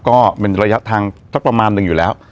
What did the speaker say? ก็เป็นระยะทางสักประมาณหนึ่งอยู่แล้ว